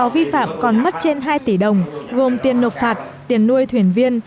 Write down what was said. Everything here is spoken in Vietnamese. vi phạm còn mất trên hai tỷ đồng gồm tiền nộp phạt tiền nuôi thuyền viên